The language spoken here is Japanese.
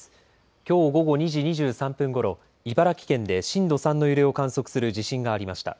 きょう午後２時２３分ごろ茨城県で震度３の揺れを観測する地震がありました。